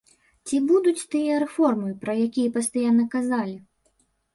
Ці будуць тыя рэформы, пра якія пастаянна казалі?